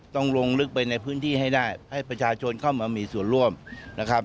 ต้องลงลึกไปในพื้นที่ให้ได้ให้ประชาชนเข้ามามีส่วนร่วมนะครับ